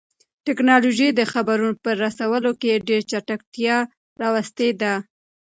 تکنالوژي د خبرونو په رسولو کې ډېر چټکتیا راوستې ده.